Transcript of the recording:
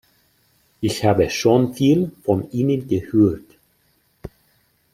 Ich habe schon viel von Ihnen gehört.